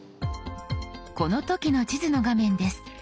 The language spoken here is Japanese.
この時の地図の画面です。